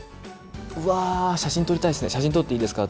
うわー、写真撮りたいですね。